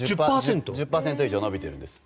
１０％以上伸びてるんです。